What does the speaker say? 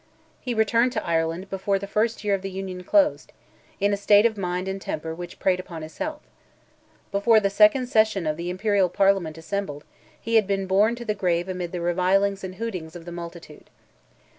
He returned to Ireland before the first year of the Union closed, in a state of mind and temper which preyed upon his health. Before the second session of the Imperial Parliament assembled, he had been borne to the grave amid the revilings and hootings of the multitude.